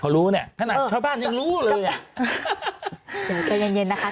เขารู้เนี้ยขนาดชอบบ้านยังรู้หรือยัง